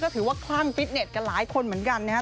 ถือว่าคลั่งฟิตเน็ตกันหลายคนเหมือนกันนะครับ